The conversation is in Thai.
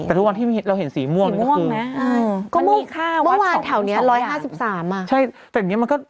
แต่ทุกวันที่เราเห็นสีม่วงนึงก็คือมันมีค่าวัด๒อย่างเมื่อวานแถวนี้๑๕๓อ่ะ